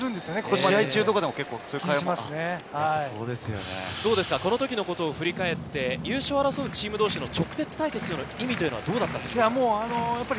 試合中でもそういう会話このときのことを振り返って優勝を争うチーム同士の直接対決の意味はどうでしたか？